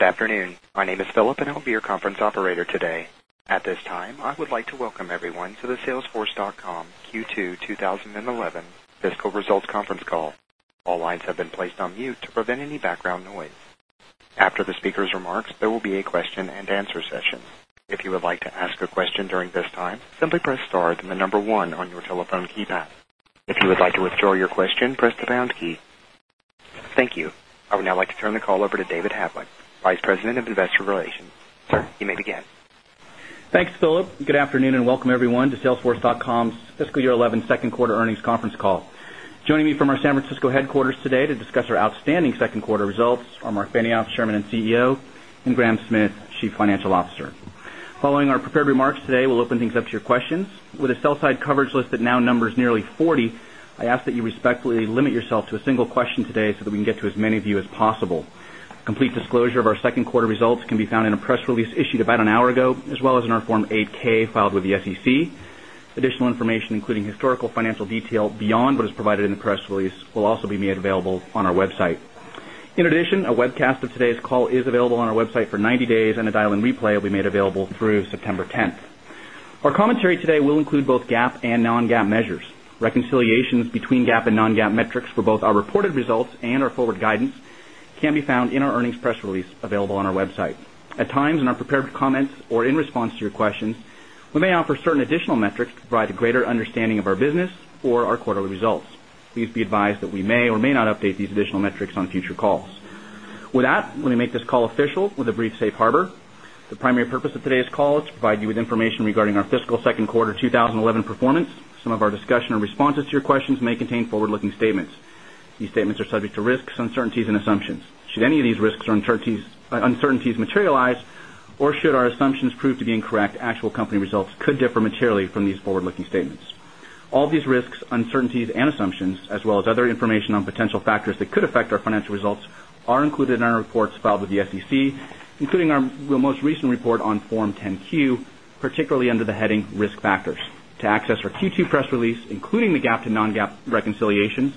Good afternoon. My name is Philip, and I will be your conference operator today. At this time, I would like to welcome everyone to the salesforce.com Q2 2011 Fiscal Results Conference Call. All lines have been placed on mute to prevent any background noise. After the speakers' remarks, there will be a question and answer Thank you. I would now like to turn the call over to David Hatlett, Vice President of Investor Relations. Sir, you may begin. Thanks, Philip. Good afternoon and welcome everyone to salesforce.com's fiscal year 11 second quarter earnings conference call. Joining me from our San Francisco headquarters today to discuss our outstanding second quarter results are Marc Benioff, Chairman and CEO and Graham Smith, Chief Financial Officer. Following our prepared remarks today, we'll open things up to your questions. With a sell side coverage list that now numbers nearly 40, I ask that you respectfully limit yourself to a single question today so that we can get to as many of you as possible. Complete disclosure of our 2nd quarter results can be found in a press release issued about an hour ago, as well as in our Form 8 ks filed with the SEC. Additional information including historical financial detail beyond what is provided in the press release will also be made available on our website. In addition, a webcast of today's call is available on our website for 90 days and a dial in replay will be made available through September 10. Our commentary today will include both GAAP and non GAAP measures. Reconciliations between GAAP and non GAAP metrics for both our reported results and our forward guidance can be found in our earnings press release available on our website. At times in our prepared comments or in response to your questions, we may offer certain additional metrics to provide a greater understanding of our business or our quarterly results. Please be advised that we may or may not update these additional metrics on future calls. With that, let me make this call official with a brief Safe Harbor. The primary purpose of today's call is to provide you information regarding our fiscal Q2 2011 performance. Some of our discussion and responses to your questions may contain forward looking statements. These statements are subject to risks, uncertainties and assumptions. Should any of these risks or uncertainties materialize or should our assumptions prove to be incorrect, actual company results could differ materially from these forward looking statements. All these risks, uncertainties and assumptions as well as other information on potential factors that could affect our financial results are included in our reports filed with the SEC, including our most recent report on Form 10 Q, particularly under the heading Risk Factors. To access our Q2 press release, including the to non GAAP reconciliations,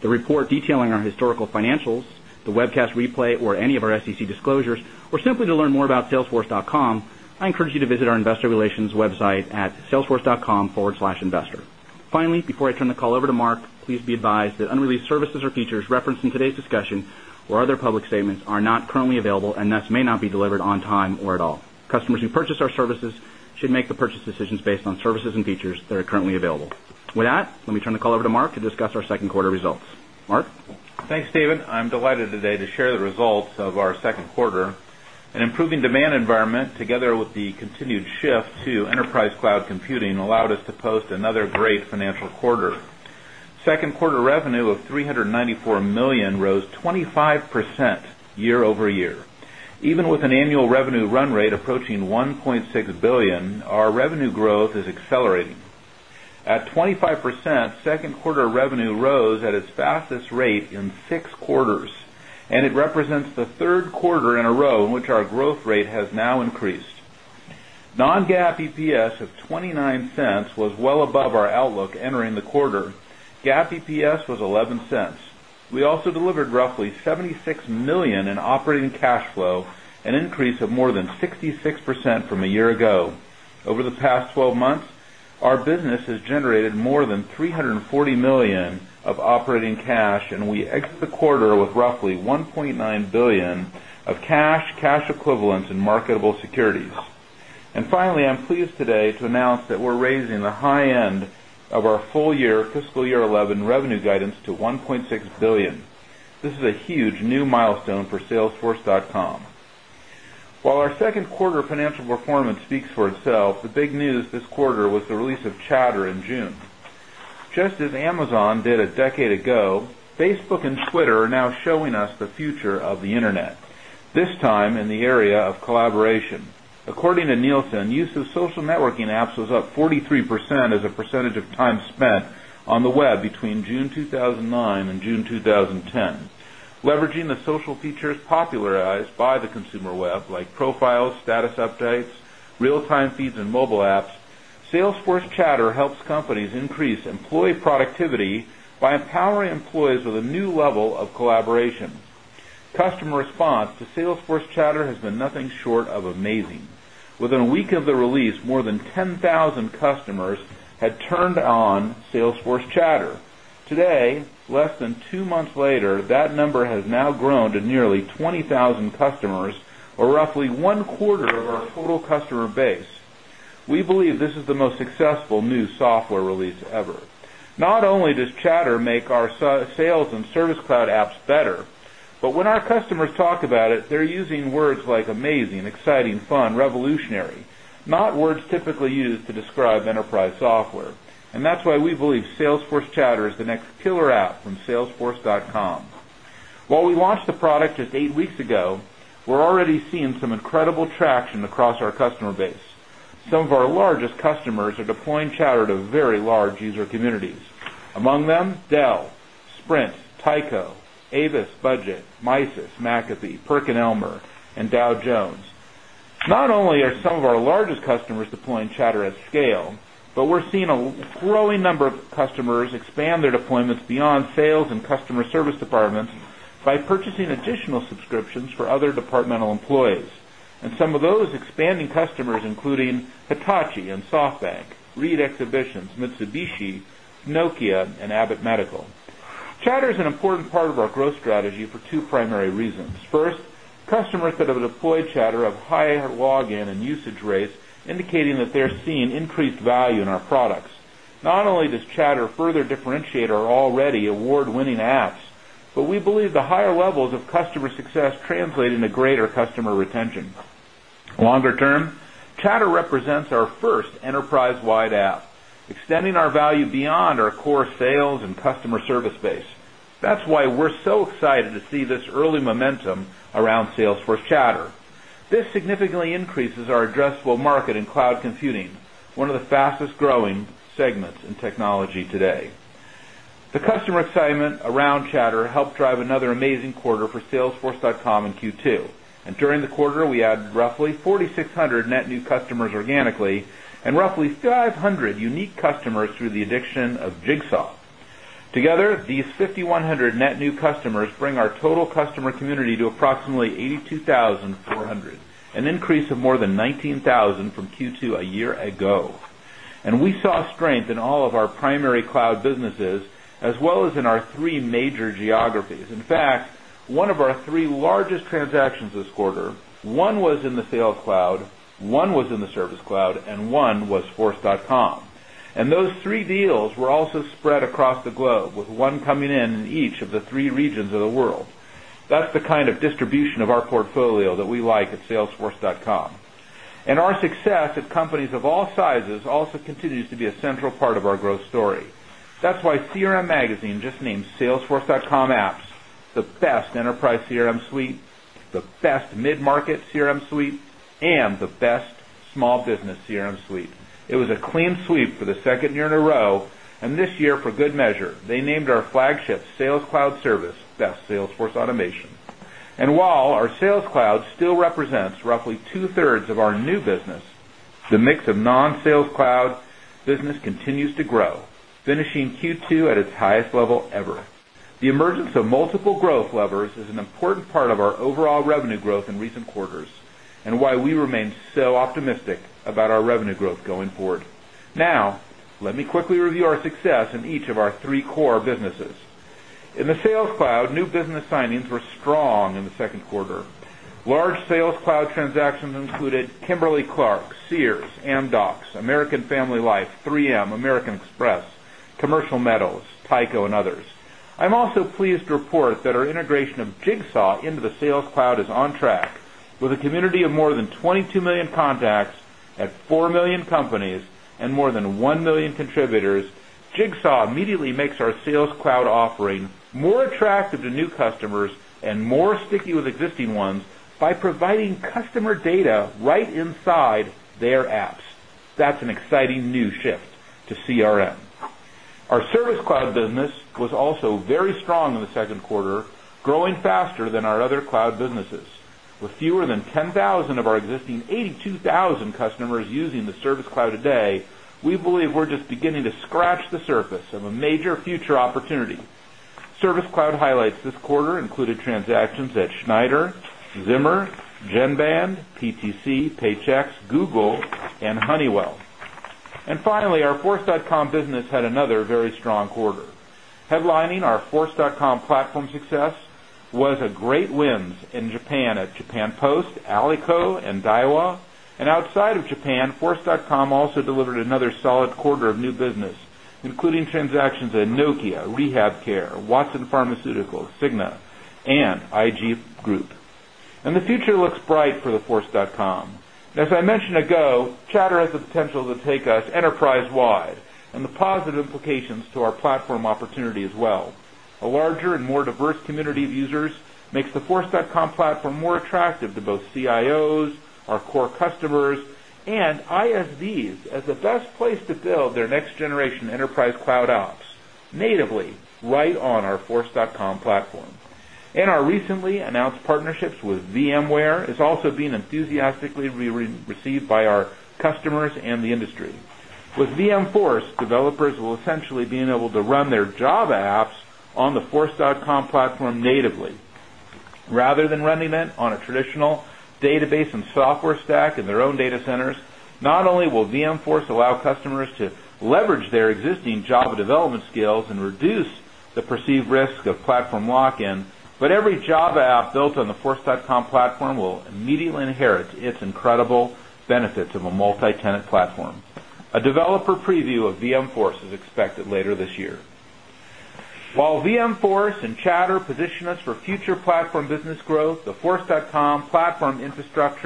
the report detailing our historical financials, the webcast replay or any of our SEC disclosures or simply to learn more about salesforce dotcom, I encourage you to visit our Investor Relations website at salesforce.com/investor. Finally, before I turn the call over to Mark, please be advised that unreleased services or features referenced in today's discussion or other public statements are not currently available and thus may not be delivered on time or at all. Customers who purchase our services should make the decisions based on services and features that are currently available. With that, let me turn the call over to Mark to discuss our Q2 results. Mark? Thanks, David. I'm delighted today to share the results of our Q2. An improving demand environment together with the continued shift to enterprise cloud computing allowed us to post another great even with an annual revenue run rate approaching 1.6000000000 Even with an annual revenue run rate approaching $1,600,000,000 our revenue growth is accelerating. At 25%, 2nd quarter revenue rose at its fastest rate in 6 quarters and it represents the 3rd quarter in a row in which our growth rate has now Non GAAP EPS of $0.29 was well above our outlook entering the quarter. GAAP EPS was 0 point 1 $1 We also delivered roughly $76,000,000 in operating cash flow, an increase of more than 66% from a year ago. Over the past 12 months, our business has generated more than $340,000,000 of operating cash and we exit the quarter with roughly 1,900,000,000 dollars of cash, cash equivalents and marketable securities. And finally, I'm pleased today to announce that we're raising the high end of our full year fiscal year 'eleven revenue guidance to $1,600,000,000 This is a huge new milestone for salesforce.com. While our Q2 financial performance speaks for itself, the big news this quarter was the release of Chatter in June. Just as Amazon did a decade ago, Facebook and Twitter are now showing us the future of the Internet, this time in the area of collaboration. According to Nielsen, use of social networking apps was up 43% as a percentage of time spent on the web between June 2009 June 2010. Leveraging the social features popularized by the consumer web like profiles, status updates, real time feeds and mobile apps, Salesforce Chatter helps companies increase employee productivity by empowering employees with a new level of collaboration. Customer response to Salesforce Chatter has been nothing short of amazing. Within a week of the release, more than 10,000 customers had turned on Salesforce Chatter. Today, less than 2 months later, that number has now grown to nearly 20,000 customers or roughly one quarter of our total customer base. We believe this is the most successful new software release ever. Not only does Chatter make our sales and service cloud apps better, but when our customers talk about it, they're using words like amazing, exciting, fun, revolutionary, not words typically used to describe enterprise software. While we launched the product just 8 weeks ago, we're already seeing some incredible traction across our customer base. Some of our largest customers are deploying Chatter to very large user communities. Among them, Dell, Sprint, Tyco, Avis Budget, Mysis, McAfee, PerkinElmer and Dow Jones. Not only are some of our largest customers deploying Chatter at scale, but we're seeing a growing number of customers expand their deployments beyond sales and customer service departments by purchasing additional subscriptions for other departmental employees. And some of those expanding customers including Hitachi and SoftBank, Reed Exhibitions, Mitsubishi, Nokia and Abbott Medical. Chatter is an important part of our growth strategy for 2 primary reasons. 1st, customers that have deployed Chatter have high login and usage rates indicating that they're seeing increased value in our products. Not only does Chatter further differentiate our already award winning apps, but we believe the higher levels of customer success translate into greater customer retention. Longer term, Chatter represents our 1st enterprise wide app, extending our value beyond our core sales and customer service base. That's why we're so excited to see this early momentum around Salesforce Chatter. This significantly increases our addressable market in cloud computing, one of the fastest growing segments in technology today. The customer excitement around chatter helped drive another amazing quarter for salesforce.com in Q2. And during the quarter, we had roughly 4,600 net new customers organically and roughly 500 unique customers through the addiction of Jigsaw. Together, these 5,100 net new customers bring our total customer community to approximately 82,400, an increase of more than 19,000 Q2 a year ago. And we saw strength in all of our primary cloud businesses as well as in our 3 major geographies. In fact, one of our 3 largest transactions this quarter, one was in the Sales Cloud, 1 was in the Service Cloud and one was force.com. And those 3 deals were also spread across the globe with 1 coming in each of the 3 regions of the world. That's the kind of distribution of our portfolio that we like at salesforce.com. And our success at companies of all sizes also continues to be a central part of our growth story. That's why CRM Magazine just named salesforce.comapps the best enterprise CRM Suite, the best midmarketCRMsuite and the best small business CRM suite. It was a clean sweep for the 2nd year in a row and this year for good measure, they named our flagship sales cloud service best Salesforce Automation. And while our sales cloud still represents roughly 2 thirds of our new business, the mix of non sales cloud business continues to grow finishing Q2 at its highest level ever. The emergence of multiple growth levers is an important part of our overall revenue growth in recent quarters and why we remain so optimistic about our revenue growth going forward. Now, let me quickly review our success in each of our 3 core 3 core businesses. In the sales cloud, new business signings were strong in the 2nd quarter. Large sales cloud transactions included Kimberly Clark, Sears, Amdocs, American Family Life, 3 ms, American Express, Commercial Metals, Tyco and others. I'm also pleased to report that our integration of Jigsaw into the sales cloud is on track with a community of more than 22,000,000 contacts at 4,000,000 companies and more than 1,000,000 contributors, Jigsaw immediately makes our sales cloud offering more attractive to new customers and more sticky with existing ones by providing customer data right inside their apps. That's an exciting new shift to CRM. Our service cloud business was also very strong in the 2nd quarter, growing faster than our other cloud businesses With fewer than 10,000 of our existing 82,000 customers using the Service Cloud today, we believe we're just beginning to scratch the surface of a major future opportunity. Service Cloud highlights this quarter included transactions at Schneider, Zimmer, Genband, PTC, Paychex, Google and Honeywell. And finally, our force.com business had another very strong quarter. Headlining our force.com platform success was a great wins in Japan at Japan Post, Alico and Daiwa. And outside of Japan, force.com also delivered another solid quarter of new business, including transactions at Nokia, RehabCare, Watson Pharmaceuticals, Cigna and IG Group. And the future looks bright for the force.com. And as I mentioned ago, Chatter has the potential to take us enterprise wide and the positive implications to our platform opportunity as well. A larger and more diverse community of users makes the Force.com platform more attractive to both CIOs, our core customers and ISVs as the best place to build their next generation enterprise cloud ops, natively right on our force.com platform. And our recently announced partnerships with VMware is also being enthusiastically received by our customers and the industry. With VMforce, developers will essentially being able to run their Java apps on the force.com platform natively Rather than running it on a traditional database and software stack in their own data centers, not only will VMforce allow customers to leverage their existing Java development skills and reduce the perceived risk of platform lock in, but every Java app built on the force.com platform will immediately inherit its incredible benefits of a multi tenant platform. A developer preview of VM Force is expected later this Force infrastructure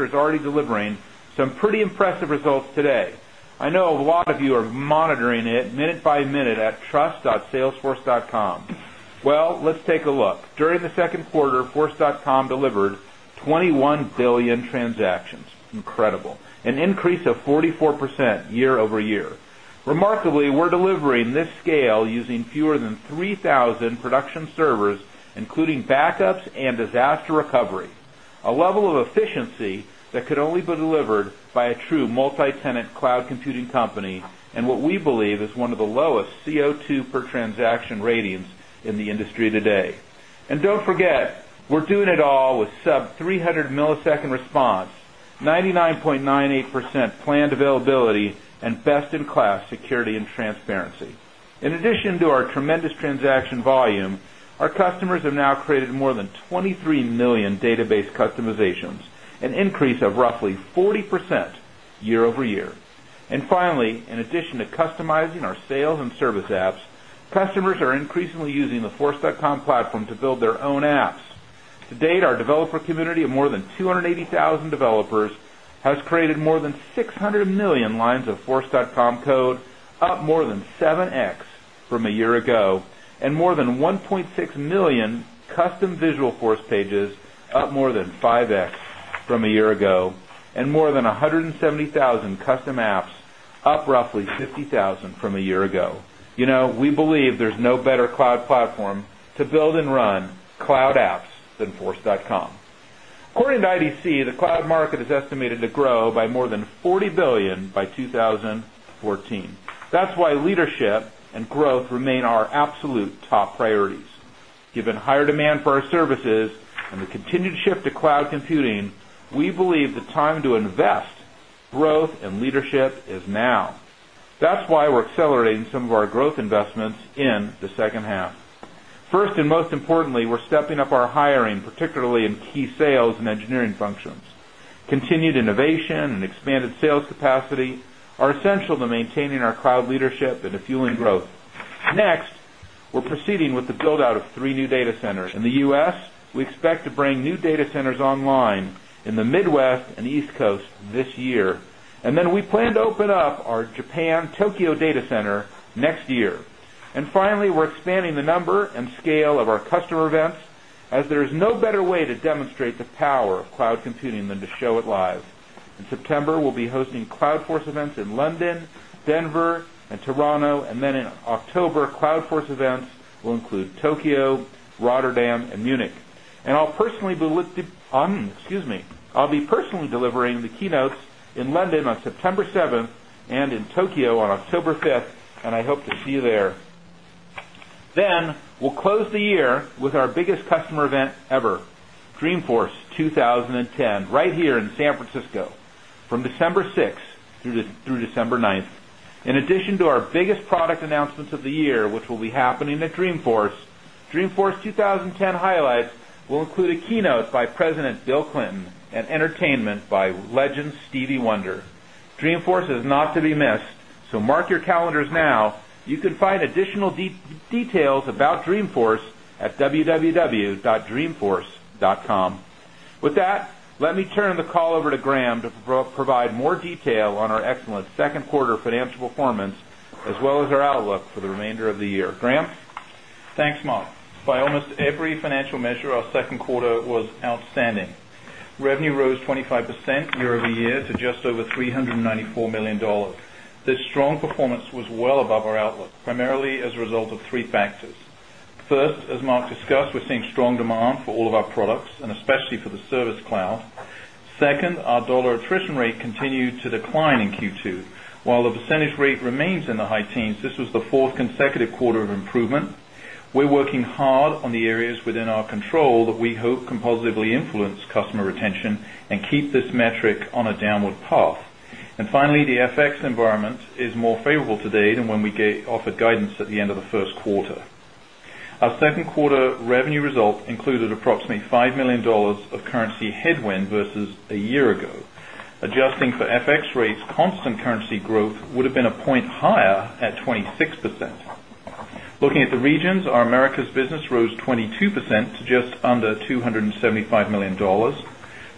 is already delivering some pretty impressive results today. I know a lot of you are monitoring it minute by minute at trust. Salesforce.com. Well, let's take a look. During the Q2, force.com delivered 21,000,000,000 transactions, incredible, an increase of 44% year over year. Remarkably, we're delivering this scale using fewer than 3,000 production servers, including backups and disaster recovery, a level of efficiency that could only be delivered by a true multi tenant cloud computing company and what we believe is one of the lowest CO2 per transaction ratings in the industry today. And don't forget, we're doing it all with sub-three hundred millisecond response, 99.98% planned availability best in class security and transparency. In addition to our tremendous transaction volume, our customers have now created more than 23,000,000 database customizations, an increase of roughly 40% year over year. And finally, in addition to customizing our sales and service apps, customers are increasingly using the force.com platform to build their own apps. To date, our developer community of more than 280,000 developers has created more than 600,000,000 lines of force.com code, up more than 7x from a year ago and more than 1,600,000 custom Visualforce pages up more than 5x from a year ago and more than 170 50,000 from a year ago. We believe there's no better cloud platform to build and run cloud apps than force.com. According to IDC, the market is estimated to grow by more than $40,000,000,000 by 2014. That's why leadership and growth remain our absolute top priorities. Given higher demand for our services and the continued shift to cloud computing, we believe the time to invest growth and leadership is now. That's why we're accelerating some of our growth investments in the second half. 1st and most importantly, we're stepping up our hiring, particularly in key sales and engineering functions. Continued innovation and expanded sales capacity are essential to maintaining our cloud leadership and to fueling growth. Next, we're proceeding with the build out of 3 new data centers. In the U. S, we expect to bring new data centers online in the Midwest and East Coast this year. And then we plan to open up our Japan Tokyo data center next year. And finally, we're expanding the number and scale of our customer events as there is no better way to demonstrate the power of cloud computing than to show it live. In September, we'll be hosting Cloud Force events in London, Denver and Toronto. And then in October, Cloud Force events will include Tokyo, Rotterdam and Munich. And I'll personally be with excuse me, I'll be personally delivering the keynotes in London on September 7th and in Tokyo on October 5th and I hope to see you there. Then we'll close the year with our biggest customer event ever, Dreamforce 2010 right here in San Francisco from December 6 through December 9. In addition to our biggest product announcements of the year, which will be happening at Dreamforce, Dreamforce 2010 highlights will include a keynote by President Bill Clinton and entertainment by legend Stevie Wonder. Dreamforce is not to be missed, so mark your calendars now. You can find additional details about Dreamforce at www dotdreamforce.com. With that, let me turn the call over to Graham to provide more detail on our excellent second quarter financial performance as well as our outlook for the remainder of the year. Graham? Thanks, Mark. By almost every financial measure, our 2nd quarter was outstanding. Revenue rose 25% year over year to just over $394,000,000 This strong performance was well above our our 2nd, our dollar attrition rate continued to decline in Q2. While the percentage rate remains in the high teens, this was the 4th consecutive quarter of improvement. We're working hard on the areas within our control that we hope can positively influence customer retention and keep this metric on a downward path. And finally, the FX environment is more favorable today than when we offered guidance at the end of the Q1. Our 2nd quarter revenue result included approximately $5,000,000 of currency headwind versus a year ago. Adjusting for FX rates constant currency growth would have been a point higher at 26%. Looking at the regions, our Americas business rose 22% to just under 2 $75,000,000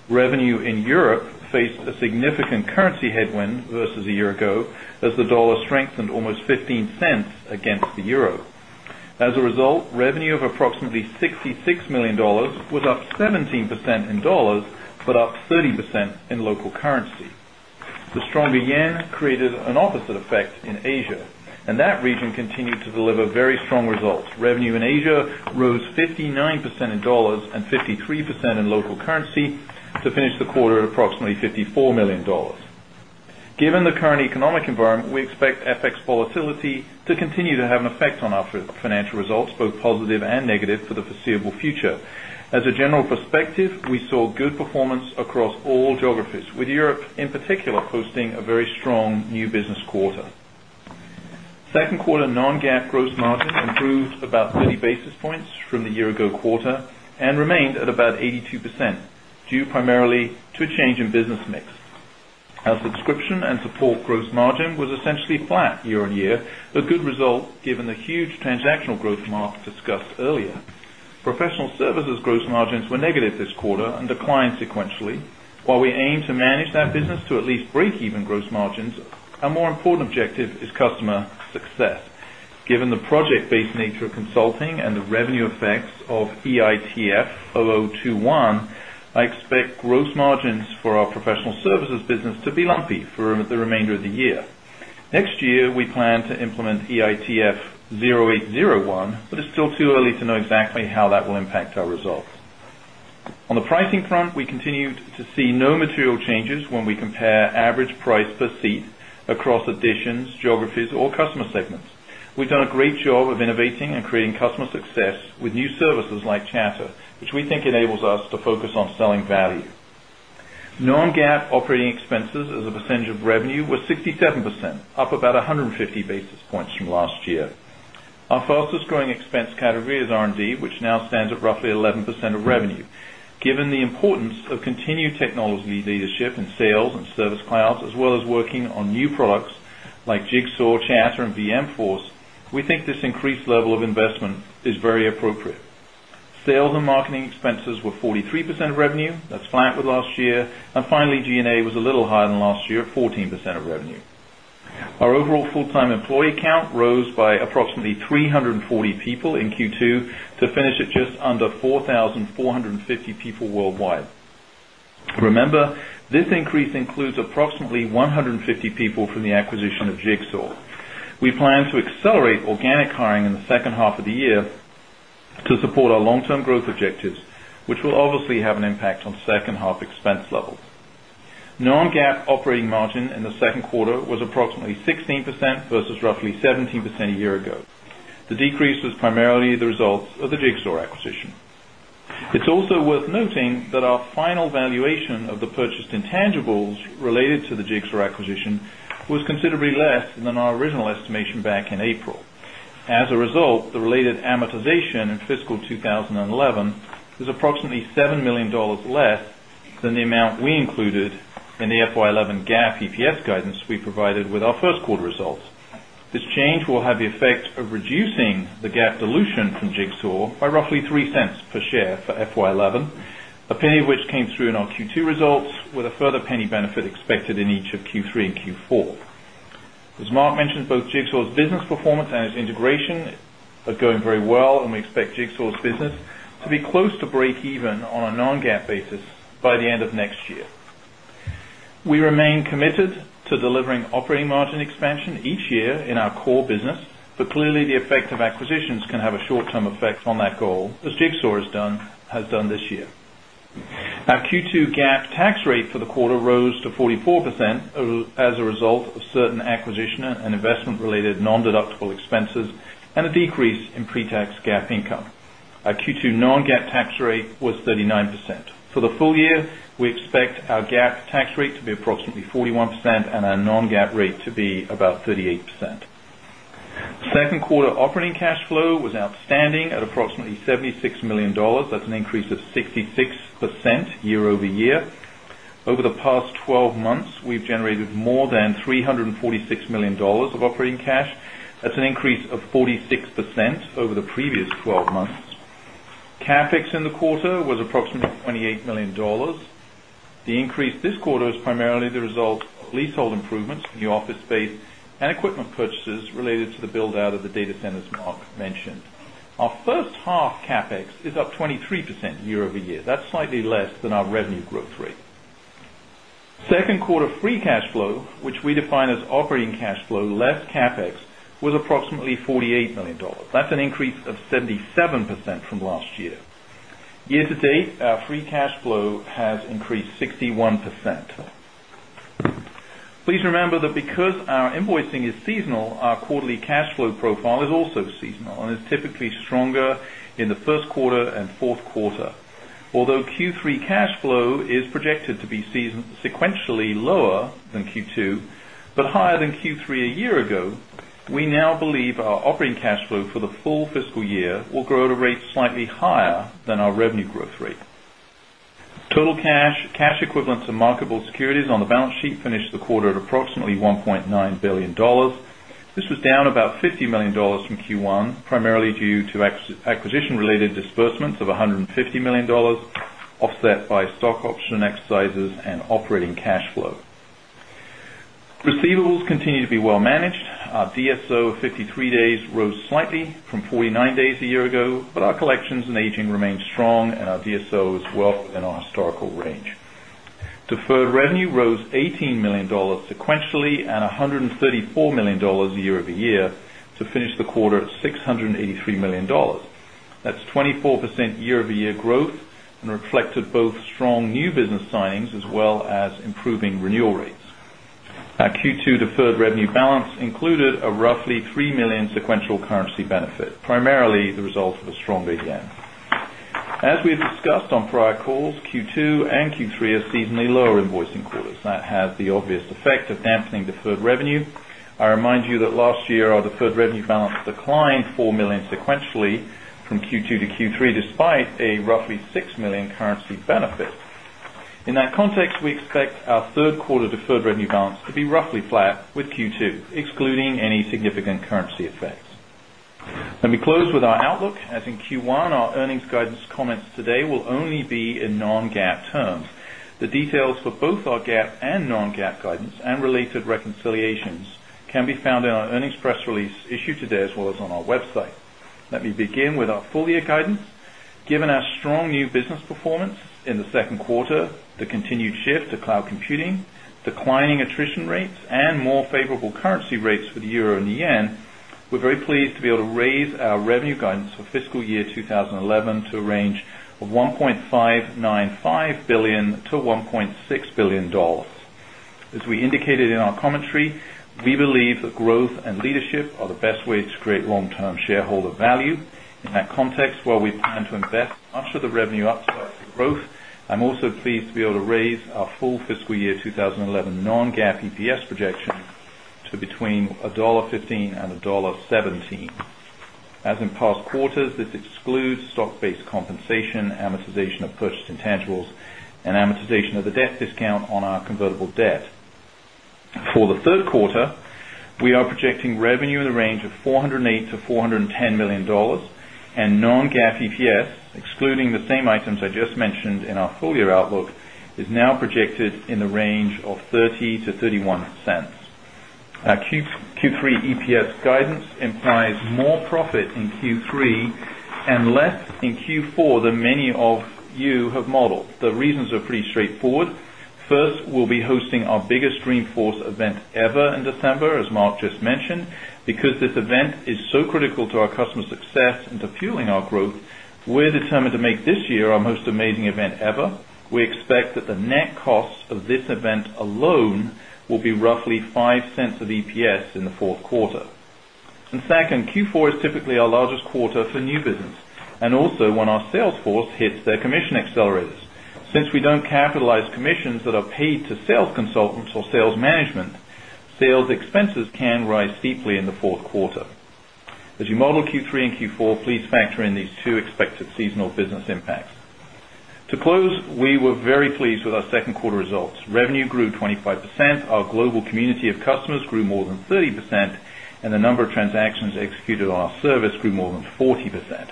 Revenue in Europe faced a significant currency headwind versus a year ago as 0.15 in strong results. Revenue in Asia rose 59% in dollars and 53% in local currency to finish the quarter at approximately $54,000,000 Given the current economic environment, we expect FX volatility to continue to have an effect on our financial results both positive and negative for the foreseeable future. As a general perspective, we saw good performance across all geographies with Europe in particular posting a very strong new business quarter. 2nd quarter non GAAP gross margin improved about 30 basis points from the year ago quarter and remained at about 82%, due primarily to a change in business mix. Our subscription and support gross margin was essentially flat year on year, a good result given the huge transactional growth market discussed earlier. Professional services gross margins were negative this quarter and declined sequentially. While we aim to manage that business to at least breakeven gross margins, a more important objective is customer success. Given the project based nature of consulting and the revenue effects of EITF gross margins for our professional services business to be lumpy for the remainder of the year. Next year, we plan to implement EITF-eight zero one, but it's still too early to know exactly how that will impact our results. On the pricing front, we continued to see no material changes when we compare average price per seat across additions, geographies or customer segments. We've done a great job of innovating and creating customer success with new services like chatter, which we think enables us to focus on selling value. Non GAAP operating expenses as a percentage of revenue was 67%, up about 150 basis points from last year. Our fastest growing expense category is R and D which now stands at roughly 11% of revenue. Given the importance of continued technology leadership in sales and service clouds as well as working on new products like Jigsaw, Chatter and VM Force, we think this increased level of investment is very appropriate. Sales and marketing expenses were 43% of revenue, that's flat with last year. And finally, G and A was a little higher than last year at 14% of revenue. Our overall full time employee count rose by approximately 340 people in Q2 to finish at just under 4,450 people worldwide. Remember, this increase includes approximately 150 people from the acquisition of Jigsaw. We plan to accelerate organic hiring second half of the year to support our long term growth objectives, which will obviously have an impact on second half expense levels. Non GAAP operating margin in the Q2 was approximately 16% versus roughly 17% a year ago. The decrease was primarily the results of the Jigsaw acquisition. It's also worth noting that our final valuation of the purchased intangibles related to the Jigsaw amortization in fiscal 2011 was approximately $7,000,000 less than the amount we included in the FY11 GAAP EPS guidance we provided with our first quarter results. This change will have the effect of reducing the GAAP dilution from Jigsaw by roughly $0.03 per share for FY11, a penny of which came through in our Q2 results with a further penny benefit expected in each of Q3 and Q4. As Mark mentioned both Jigsaw's business performance and its integration are going very well and we expect Jigsaw's business to be close to break even on a non GAAP basis by the end of next year. We remain committed to delivering expansion each year in our core business, but clearly the effect of acquisitions can have a short term effect on that goal as Jigsaw has done this year. Our Q2 GAAP tax rate for the quarter rose to 44% as a result of certain acquisition and investment related non deductible expenses and a decrease in pre tax GAAP income. Our Q2 non GAAP tax rate was 39%. For the full year, we 2nd quarter operating cash flow was outstanding at approximately $76,000,000 that's an increase of 66% year over year. Over the past 12 months, we've generated more than $346,000,000 of operating cash that's an increase of 46% over the previous 12 months. CapEx in the quarter was approximately $28,000,000 The increase this quarter is primarily the result of leasehold improvements in the office space and equipment purchases related to the build out of the data centers Mark mentioned. Our first half CapEx is up 23% year over year, that's slightly less than our revenue growth rate. 2nd quarter free cash flow which we define as operating cash flow less CapEx was approximately 48,000,000 dollars that's an increase of 77% from last year. Year to date, our free cash flow has increased 61%. Please remember that because our invoicing is seasonal, our quarterly cash flow profile is also seasonal and is typically stronger in the Q1 and Q4. Although Q3 cash flow is projected to be sequentially lower than Q2, but higher than Q3 a year ago, we now believe our operating cash flow for the full fiscal year will grow at a rate slightly higher than our revenue growth rate. Total cash, cash equivalents and marketable securities on the balance sheet finished the quarter at approximately $1,900,000,000 This was down about $50,000,000 from Q1 primarily due to acquisition related disbursements of $150,000,000 offset by stock option exercises and operating cash flow. Receivables continue to be well managed. Our DSO of 53 days rose slightly from 49 days a year ago, but our collections and aging remained strong and our DSO is well in our historical range. Deferred revenue rose $18,000,000 sequentially and $134,000,000 year over year to finish the quarter at $683,000,000 That's 24% year over year growth and reflected both strong new business signings as well as improving renewal rates. Balance included a roughly $3,000,000 sequential currency benefit, primarily the result of a strong VAT yen. As we have discussed on prior calls, Q2 and Q3 are seasonally lower invoicing quarters. That has the obvious effect of dampening deferred revenue. I remind you that last year, our deferred revenue balance declined 4,000,000 sequentially from Q2 to Q3 despite a roughly 6,000,000 currency benefit. In that context, we expect our 3rd quarter deferred revenue balance to be roughly flat with Q2 excluding any significant currency effects. Let me close with our outlook. As in Q1, our earnings guidance comments today will only be in non GAAP terms. The details for both our GAAP and non GAAP guidance and related reconciliations can be found in our earnings press release issued today as well as on our website. Let me begin with our full year guidance. Given our strong new business performance in the Q2, the continued shift to cloud computing, declining attrition rates and more favorable currency rates for the euro and yen, we are very pleased to be able to raise our revenue guidance for fiscal year 2011 to a range of $1,595,000,000 to $1,600,000,000 As we indicated in our commentary, we believe that growth and leadership are the best way to create long term shareholder value. In that context, while we plan to invest much of the revenue upside for growth, I'm also pleased to be able to raise our full fiscal year 2011 non GAAP EPS projection to between $1.15 $1.17 As in past quarters, this excludes stock based compensation, amortization of purchased intangibles and amortization of the debt discount on our convertible debt. For the 3rd quarter, we are projecting revenue in the range of $408,000,000 to $410,000,000 and non GAAP EPS excluding the same items I just mentioned in our full year outlook is now projected in the range of $0.30 to 0 point in Q3 and less in Q4 than many of you have modeled. The reasons are pretty straightforward. First, we'll be hosting our biggest Dreamforce event ever in December as Mark just mentioned. Because this event is so critical to our customer success and to fueling our growth, we're determined to make this year our most amazing event ever. We expect that the net cost of this event alone will be roughly $0.05 of EPS in the 4th quarter. And second, Q4 is typically our largest quarter for new management, sales expenses can rise deeply in the Q4. As you model Q3 and Q4, please factor in these 2 expected seasonal business impacts. To close, we were very pleased with our 2nd quarter results. Revenue grew 25%, our global community of customers grew more than 30%, and the number of transactions executed on our service grew more than 40%.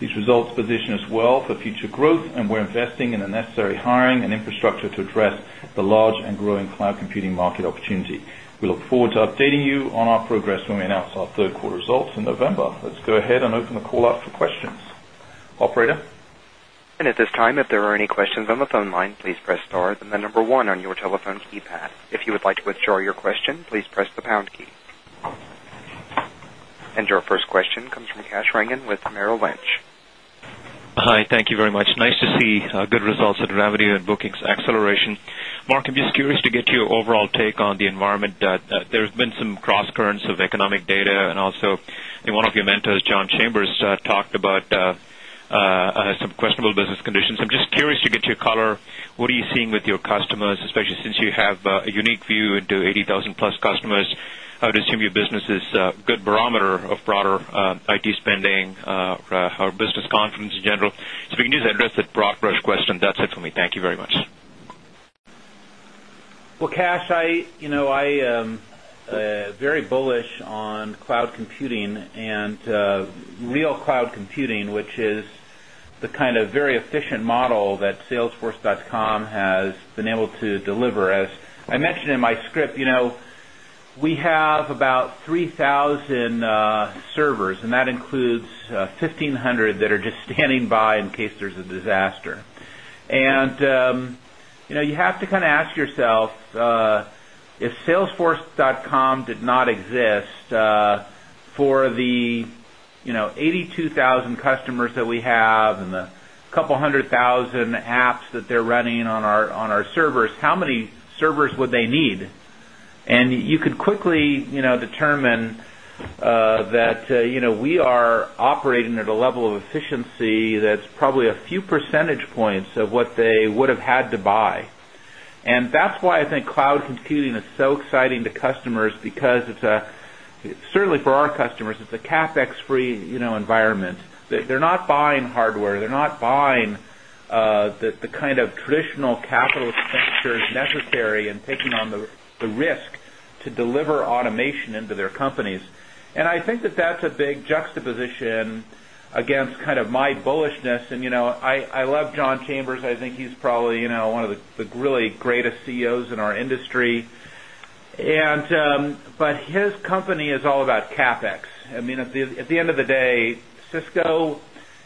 These results position us well for future growth and we're investing in the the necessary hiring and infrastructure to address the large and growing cloud computing market opportunity. We look forward to updating you on our progress when we announce our 3rd quarter results in November. Let's go ahead and open the call up for questions. Operator? And your first question comes from Kash Rangan with Merrill Lynch. Hi, thank you very much. Nice to see good results of revenue and bookings acceleration. Mark, I'm just curious to get your overall take on the environment. There has been some crosscurrents of economic data and also in one of your mentors, John Chambers talked about some questionable business conditions. I'm just curious to get your color, what are you seeing with your customers, especially since you have a unique view into 80,000 plus customers? I would assume your business is a good barometer of broader IT spending or business confidence in general. So we can just address that broad brush question, that's it for me. Thank you very much. Well, Kash, I am very bullish on cloud computing and real cloud computing, which is the kind of very efficient model that salesforce.com has been able to deliver. As I mentioned in my script, we have about 3 100 that are just standing by in case there's a disaster. And you have to kind of ask yourself if salesforce.com did not exist for the 82,000 customers that we have and the couple 100,000 apps that they're running on our servers, how many servers would they need? And you could quickly determine that we are operating at a level of efficiency that's probably a few percentage points of what they would have had to buy. And that's why I think cloud computing is so exciting to customers because it's a certainly for our customers, it's a CapEx free environment. They're not buying hardware. They're not buying the kind of traditional capital expenditures necessary and taking on the risk to deliver automation into their companies. And I think that that's a big juxtaposition against kind of my bullishness. And I love John Chambers. I think he's probably one of the really greatest CEOs in our industry. And but his company is all about CapEx. I mean at the end of the day Cisco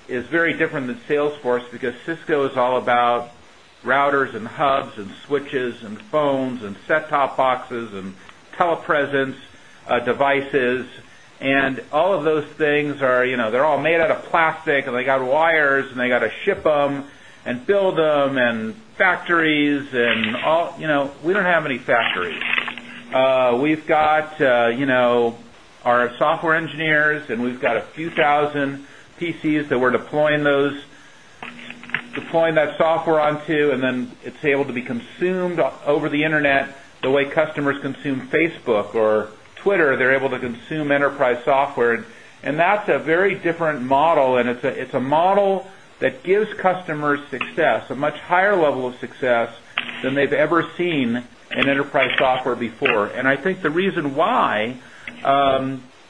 is very different than Salesforce because Cisco is all about routers and hubs and switches and phones and set top boxes and telepresence devices and all of those things are they're all made out of plastic and they got wires and they got to ship them and build them and factories and all we don't have any factories. We've got our software engineers and we've got a few 1,000 PCs that we're deploying those deploying that software onto and then it's able to be consumed over the Internet the way customers consume Facebook or Twitter, they're able to consume enterprise software. And that's a very different model and it's a model that gives customers success, a much higher level of success than they've ever seen in enterprise software before. And I think the reason why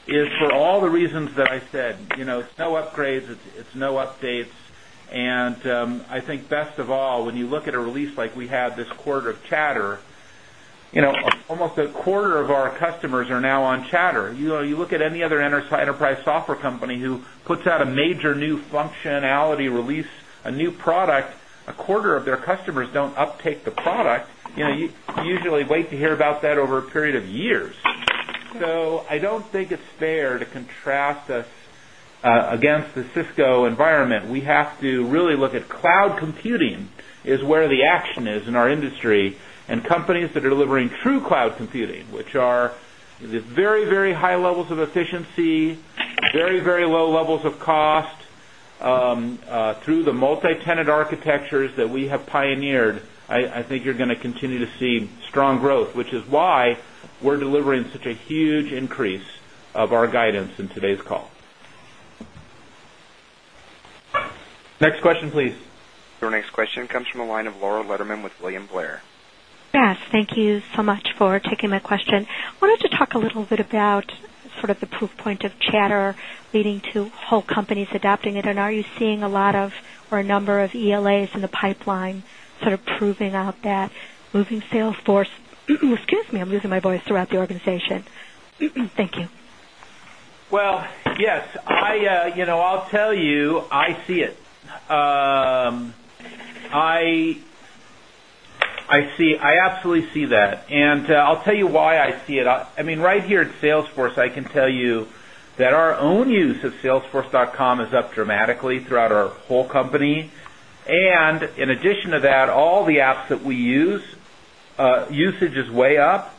is for all the reasons that I said, it's no upgrades, it's no updates. And I think best of all, when you look at a release like we had this quarter of chatter, almost a like we had this quarter of Chatter, almost a quarter of our customers are now on Chatter. You look at any other enterprise software company who puts out a major new functionality release a new product, a quarter of their customers don't uptake the product. You usually wait to hear about that over a period of years. So, I don't think it's fair to contrast us against the Cisco environment. We have to really look at cloud computing is where the action is in our industry and companies that are delivering true cloud computing, which are very, very high levels of efficiency, very, very low levels of cost through the multi tenant architectures that we have pioneered, I think you're going to continue to see strong growth, which is why we're delivering such a huge increase of our guidance in today's call. Next question please. Your next question comes from the line of Laura Letterman with William Blair. Yes. Thank you so much for taking my question. I wanted to talk a little bit about sort of the proof point of chatter leading to whole companies adopting it? And are you seeing a lot of or a number of ELAs in the pipeline sort of proving out that moving sales force? Excuse me, I'm losing my voice throughout the organization. Thank you. Well, yes, I'll tell you, I see it. I see I absolutely see that. And I'll tell you why I see it. I mean right here at Salesforce, I can tell you that our own use of salesforce.com is up dramatically throughout our whole company. And in addition to that, all the apps that we use, usage is way up.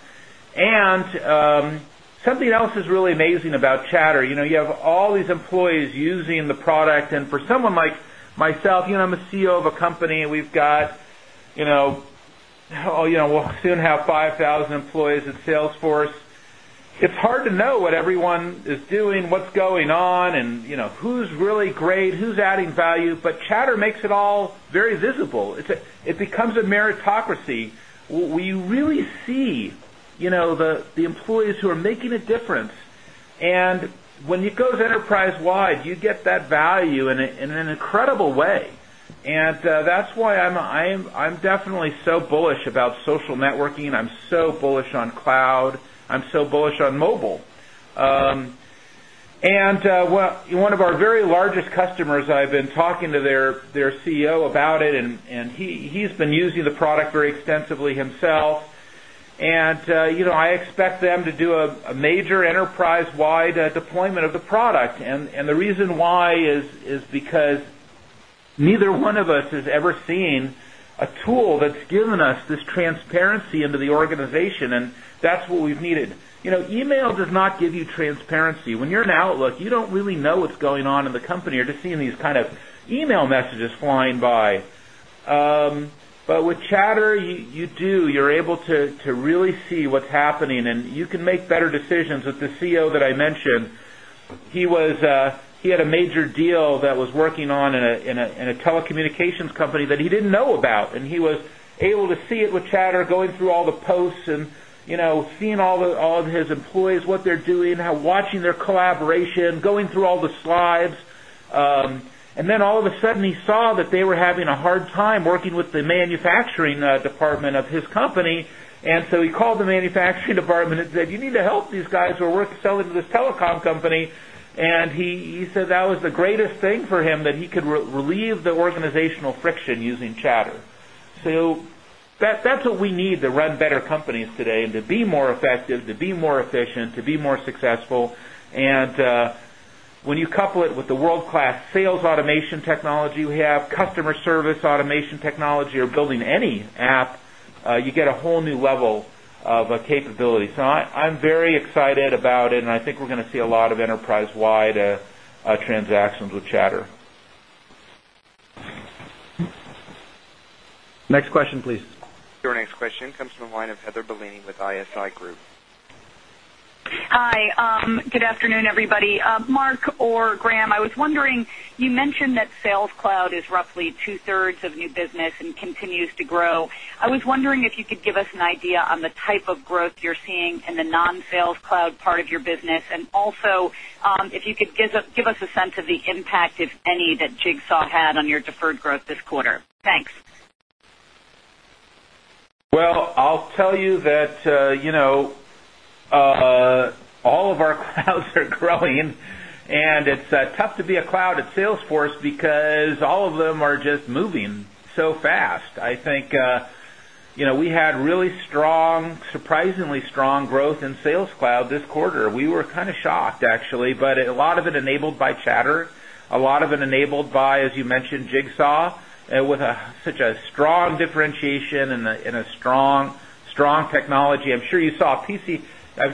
And something else is really amazing about Chatter. You have all these employees using the product and for someone like myself, I'm a CEO of a company and we've got we'll soon have 5,000 employees in Salesforce. It's hard to know what everyone is doing, what's going on and who's really great, who's adding value, but chatter makes it all very visible. It becomes a meritocracy. We really see the employees who are making a difference. And when you go to enterprise wide, you get that value in an incredible way. And that's why I'm definitely so bullish about social networking. I'm so bullish on cloud. I'm so bullish on mobile. And one of our very largest customers I've been talking to their CEO about it and he's been using the product very extensively himself. And I expect them to do a major enterprise wide deployment of the product. And the reason why is because neither one of us has ever seen a tool that's given us this transparency into the organization and that's what we've needed. Email does not give you transparency. When you're in Outlook, you don't really know what's going on in the company. You're just seeing these kind of email messages flying better decisions. With the CEO that I mentioned, he was he had a major deal that was working on in a telecommunications company that he didn't know about and he was able to see it, which collaboration, going through all the slides. And then all of a sudden he saw that they were having a hard time working with the manufacturing department of his company. And so he called the manufacturing department and said, you need to help these guys who are selling to this telecom company. And he said that was the greatest thing for him that he could relieve the organizational friction using chatter. So that's what we need to run better companies today and to be more effective, to be more efficient, to be more successful. And when you couple it with the world class sales automation technology we have, customer service automation technology or building any app, you get a whole new level of capability. So I'm very excited about it and I think we're going to see a lot of enterprise wide transactions with Chatter. Next question please. Your next question comes from the line of Heather Bellini with ISI Group. Hi, good afternoon everybody. Mark or Graham, I was wondering, you mentioned that Sales Cloud is roughly 2 thirds of new business and continues to grow. I was wondering if you could give us an idea on the type of growth you're seeing in the non sales cloud part of your business? And also, if you could give us a sense of the impact, if any, that Jigsaw had on your deferred growth this quarter? Thanks. Well, I'll tell you that all of our clouds are growing and it's tough to be a cloud at Salesforce because all of them are just moving so fast. I think we had really strong, surprisingly strong growth in Sales Cloud this quarter. We were kind of shocked actually, but a lot of it enabled by chatter, lot of it enabled by as you mentioned Jigsaw with such a strong differentiation and a strong technology. I'm sure you saw PC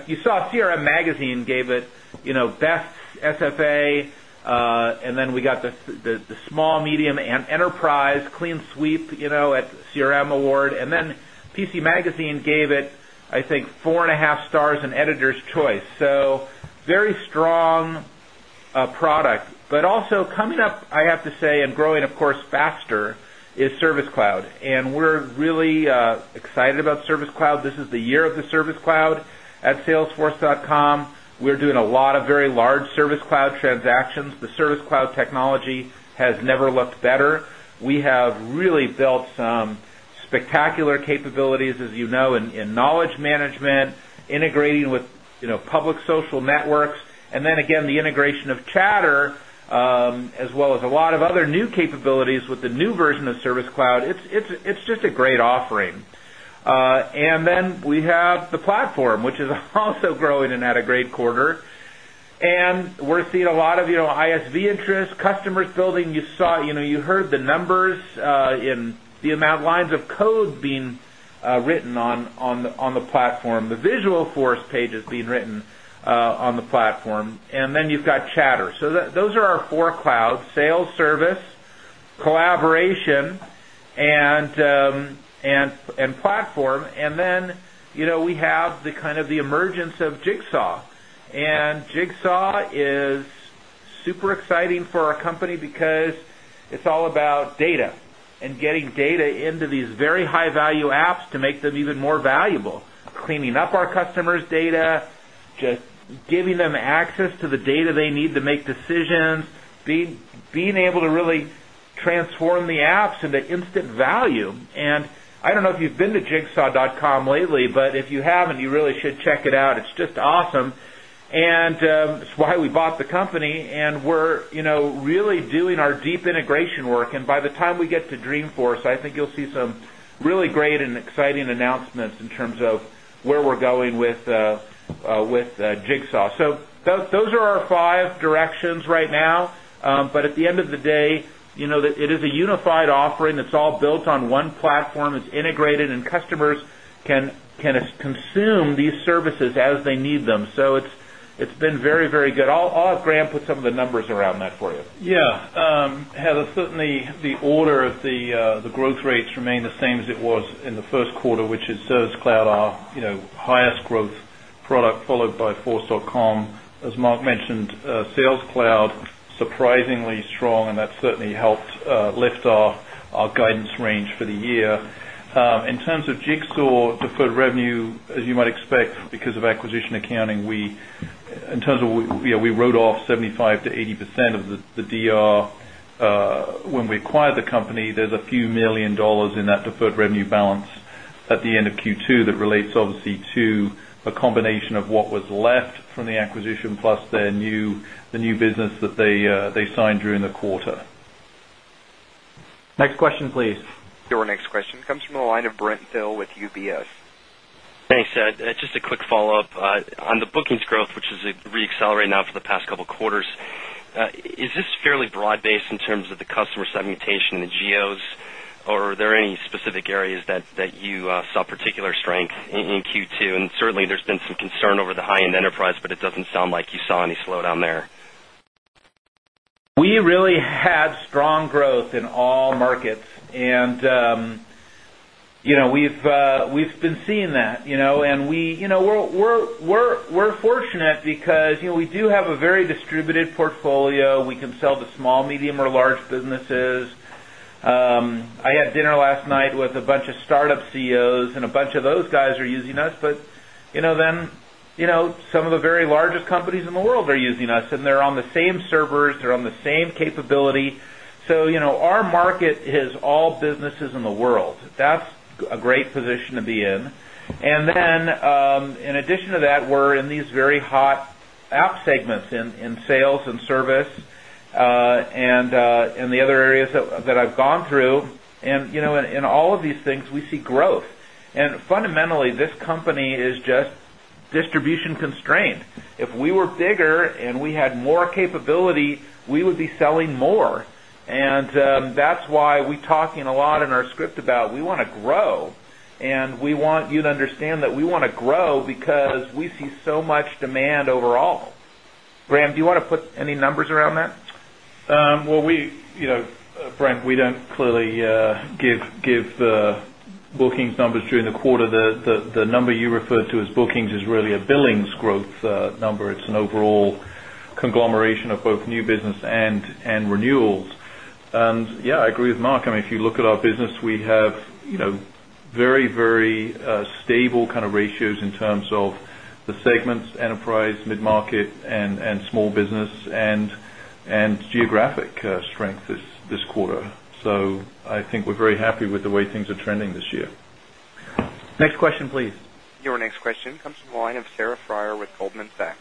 you saw CRM Magazine gave it best SFA and then we got the small, medium and enterprise clean sweep at CRM award and then PC Magazine gave it I think 4.5 stars in Editor's Choice. So very strong product, but also coming up I have to say and growing of course faster is Service Cloud. And we're really excited about Cloud. This is the year of the Service Cloud at salesforce.com. We're doing a lot of very large Service Cloud transactions. The service cloud technology has never looked better. We have really built some spectacular capabilities as you know in knowledge management, integrating with public social networks and then again the integration of Chatter as well as a lot of other new capabilities new capabilities with the new version of Service Cloud, it's just a great offering. And then we have the platform, which is also growing and had a great quarter. And we're seeing a lot of ISV interest, customers building. You heard the numbers in the amount of lines of code being written on the platform, the Visualforce page is being written on the platform and then you've got chatter. So those are our 4 clouds, sales, service, collaboration and platform. And then we have the kind of the emergence of Jigsaw. And Jigsaw is super exciting for our company because it's all about data and getting data into these very high value apps to make them even more valuable, cleaning up our customers' data, just giving them access to the data they need to make decisions, being able to really transform the apps into instant value. And I don't know if you've been to jigsaw.com lately, but if you haven't, you really should check it out. It's just awesome. And it's why we bought the company and we're really doing our deep integration work. And by the time we get to Dreamforce, I think you'll see some really great and exciting announcements in terms of where we're going with Jigsaw. So those are our 5 directions right now. But at the end of the day, it is a unified offering that's all built on one platform, it's integrated and customers can consume these services as they need them. So it's been very, very good. I'll have Graham put some of the numbers around that for you. Yes. Heather, certainly the order of the growth rates remain the same as it was in the Q1 which is Service Cloud, our highest growth product followed by force.com. As Mark mentioned, Sales Cloud surprisingly strong and that certainly helped lift off our guidance range for the year. In terms of Jigsaw deferred revenue, as you might expect because of acquisition accounting, we we wrote off 75% to 80% of the Doctor when we acquired the company. There is a few $1,000,000 in that deferred revenue balance at the end of Q2 that relates obviously to a combination of what was left from the acquisition plus the new business that they signed during the quarter. Your next question comes from the line of Brent Thill with UBS. Just a quick follow-up. On the bookings growth, which is reaccelerated now for the past couple of quarters, is this fairly broad based in terms of the customer segmentation in the geos? Or are there any specific areas that you saw particular strength in Q2? And certainly, there's been some concern over the high end enterprise, but it doesn't sound like you saw any slowdown there. We really had strong growth in all markets. And we've been seeing that. And we're fortunate because we do have a very distributed portfolio. We can sell to small, medium or large businesses. I had dinner last night with a bunch of startup CEOs and a bunch of those guys are using us. But then some of the very largest companies in the world are using us and they're the same servers, they're on the same capability. So our market is all businesses in the world. That's a great position to be in. And then, in addition to that, we're in these very hot app segments in sales and service and the other areas that I've gone through. And in all of these things, we see growth. And fundamentally, this And that's why we're talking a lot in our script about we want to grow and we want you to understand that we want to grow because we see so much demand overall. Graham, do you want to put any numbers around that? Well, Brent, we don't clearly give bookings numbers during the quarter. The number you referred to is really a billings growth number. It's an overall conglomeration of both new business and renewals. And yes, I agree with Mark. I mean, if you look at our business, we have very, very stable kind of ratios in terms of the segments, enterprise, mid market and small business and geographic strength this quarter. So, I think we're very happy with the way things are trending this year. Next question please. Your next question comes from the line of Sarah Friar with Goldman Sachs.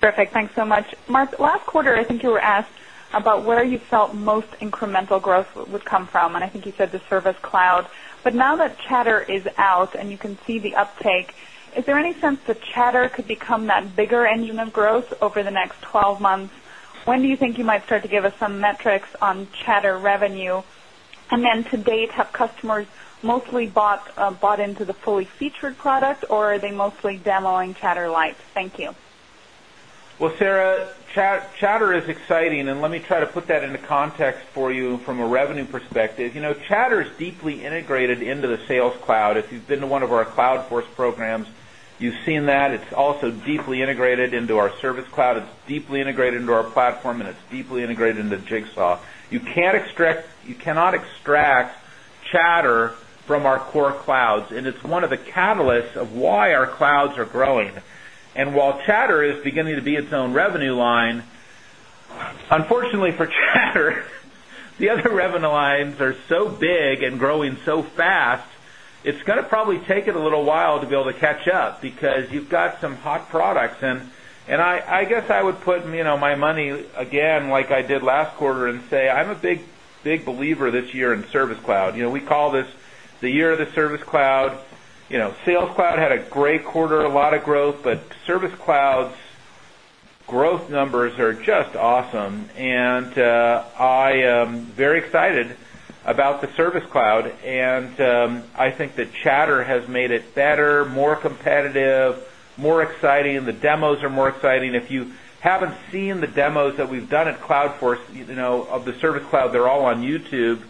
Perfect. Thanks so much. Mark, last quarter, I think you were asked about where you felt most incremental growth would come from. And I think you said the service cloud. But now that you think you might start to give us some metrics on chatter revenue? And then to date have customers mostly bought into the fully featured product or are they mostly demoing Chatter Light? Thank you. Well, Sarah, Chatter is exciting and let me try to put that into context for you from a revenue perspective. Chatter is deeply integrated into the sales cloud. If you've been to one of our Cloud Force programs, you've seen that. It's also deeply integrated into our service cloud. It's deeply integrated into our platform and it's deeply integrated into Jigsaw. You cannot extract chatter from our core chatter is beginning to be its own revenue line, unfortunately for chatter, the other revenue lines are so big and growing so fast, it's going to probably take it a little while to be able to catch up because you've got some hot products. And I guess I would put my money again like I did last quarter and say, I'm a big believer this year in Service Cloud. We call this the year of the Service Cloud. Sales Cloud had a great quarter, a lot of growth, but Service Cloud's growth numbers are just awesome. And I am very excited about the Service Cloud. And I think that chatter has made it better, more competitive, more exciting. The demos are more exciting. If you haven't seen the demos that we've done at Cloud Force of the Service Cloud, they're all on YouTube.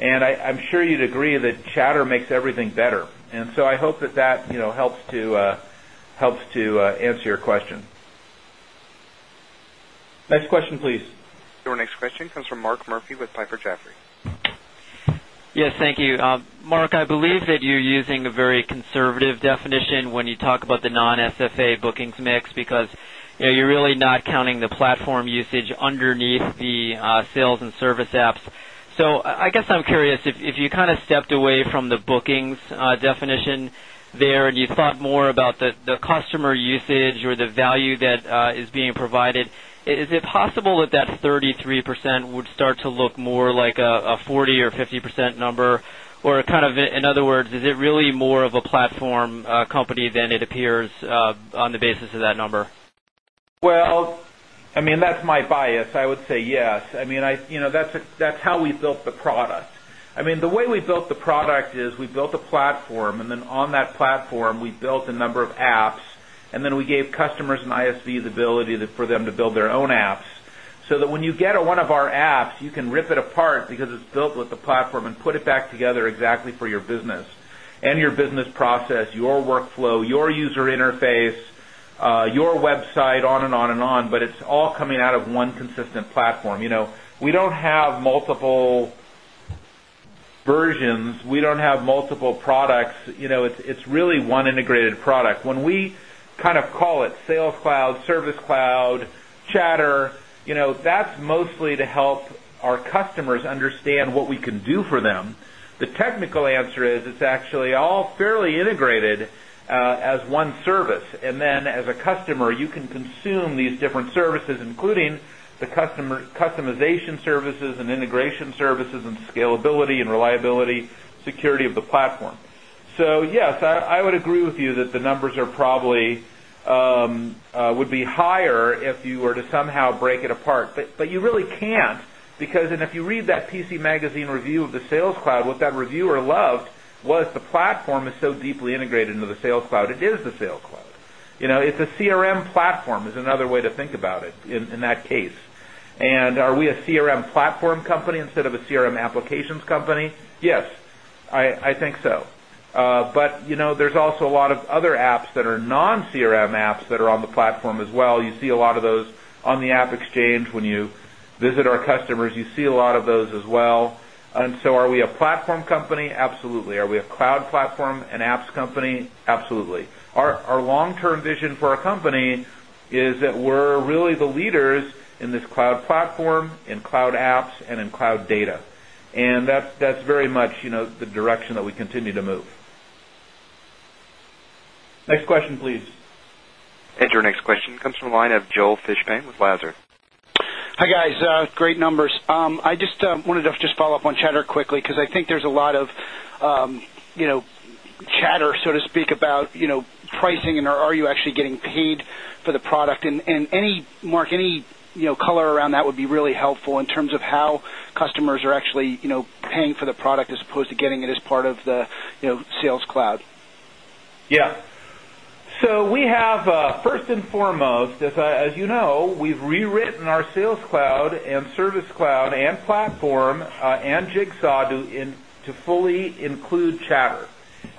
And I'm sure you'd agree that chatter makes everything better. And so I hope that that helps to answer your question. Next question please. Your next question comes from Mark Murphy with Piper Jaffray. Yes, thank you. Mark, I believe that you're using a very conservative definition when you talk about the non SFA bookings mix because you're really not counting the platform usage underneath the bookings definition there and you thought more about the customer usage or the value that is being provided, is it possible that that 33% would start to look more like a 40% or 50% number or kind of in other words, is it really more of a platform company than it appears on the basis of that number? Well, I mean that's my bias. I would say yes. I mean that's how we built the product. I mean, the way we built the product is we built a platform and then on that platform, we built a number of apps and then we gave customers an ISV ability for them to build their own apps. So that when you get one of our apps, you can rip it apart because it's built with the platform and put it back together exactly for your business and your business process, your workflow, your user interface, your website, on and on and on, but it's all coming out of one consistent platform. We don't have multiple versions. We don't have multiple products. It's really one integrated product. We kind of call it Sales Cloud, Service Cloud, Chatter, that's mostly to help our customers understand what we can do for them. The technical answer is, it's actually all fairly integrated as one service. And then as a customer, you can consume these different services, including the customer customization services and integration services and scalability and reliability, security of the platform. So yes, I would agree with you that the numbers are probably would be higher if you were to somehow break it apart, but you really can't because and if you read that PC Magazine review of the Sales Cloud, what that reviewer loved was the platform is so deeply integrated into the sales cloud. It is the sales cloud. It's a CRM platform is another way to think about it in that case. And are we a CRM platform company instead of a CRM applications company? Yes, I think so. But there's also a lot of other apps that are non CRM apps that are on the platform as well. You see a lot of those on the AppExchange when you visit our customers. You see a lot of those as well. And so are we a platform company? Absolutely. Are we a cloud platform, an apps company? Absolutely. Our long term vision for our company is that we're really the leaders in this cloud platform, in cloud apps and in cloud data. And that's very much the direction that we continue to move. Next question please. And your next question comes from the line of Joel Fishbein with Wasser. Hi guys, great numbers. I just wanted to follow-up on chatter quickly because I think there's a lot of chatter, so to speak, about pricing and are you actually getting paid for the product? And Mark, any color around that would be really helpful in terms of how customers are actually paying for the product as opposed to getting it as part of the sales cloud? Yes. So we have 1st and foremost, as you know, we've rewritten our sales cloud and service cloud and platform and Jigsaw to fully include chatter.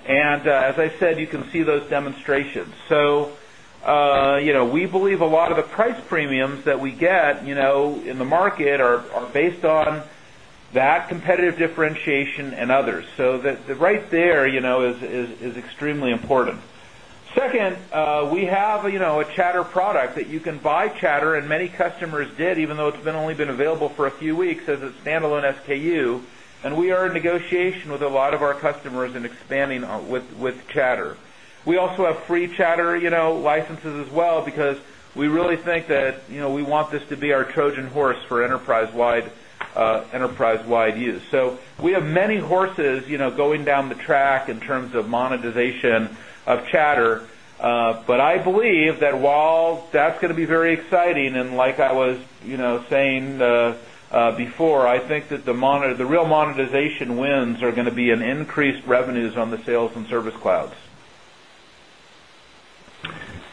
And as I said, you can see those demonstrations. So, we believe a lot of the premiums that we get in the market are based on that competitive differentiation and others. So, right there is extremely important. 2nd, we have a chatter product that you can buy chatter and many customers did even though it's been only been available for a few weeks as a standalone SKU and we are in negotiation with a lot of our customers and expanding with Chatter. We also have free Chatter licenses as well because we really think that we want this to be our Trojan horse for enterprise wide use. So, we have many horses going down the track in terms of monetization of chatter. But I believe that while that's going to be very exciting and like I was saying before, I think that the real monetization wins are going to be an increased revenues on the sales and service clouds.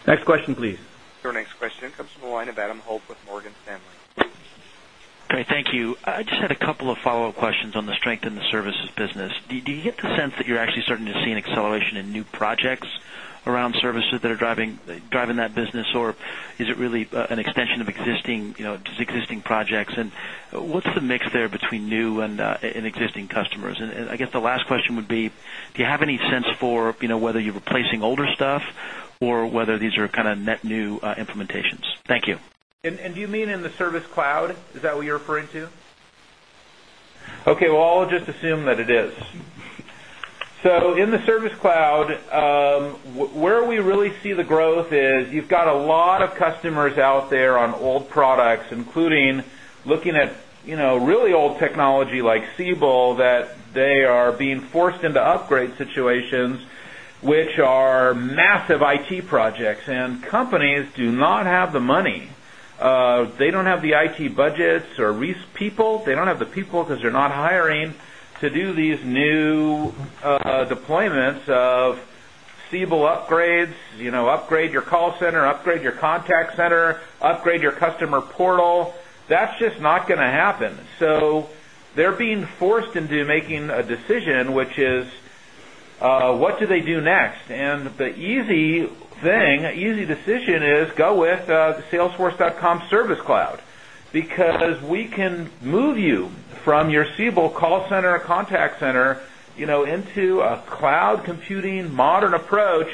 Next question please. Your next question comes from the line of Adam Hope with Morgan Stanley. Great. Thank you. I just had a couple of follow-up questions on the strength in the services business. Do you get the sense that you're actually starting to see an acceleration in new mix there between new and existing customers? And I guess the last question would be, do you have any sense for whether you're replacing older stuff or whether these are kind of net new implementations? Thank you. And do you mean in the service cloud? Is that what you're referring to? Okay. Well, I'll just assume that it is. So, in the service cloud, where we really see the growth is you've got a lot of customers out there on old products, including looking at really old technology like Siebel that they are being forced into upgrade situations, which are massive IT projects and companies do not have the money. They don't have the IT budgets or people. They don't have the people because they're not hiring to do these new deployments of Siebel upgrades, upgrade your call center, upgrade your contact center, upgrade your customer portal. That's just not going to happen. So they're being forced into making a decision, which is what do they do next. And the easy thing, easy decision is go with the salesforce.comservicecloud because we can move you from your Siebel call center, contact center into a cloud computing modern approach.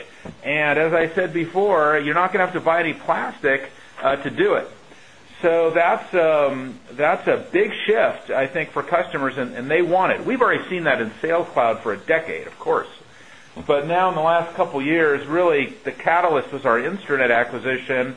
And as I said before, you're not going to have to buy any plastic to do it. So that's a big shift I think for customers and they want it. We've already seen that in Sales Cloud for a decade of course. But now in the last couple of years, really the catalyst was our Instranet acquisition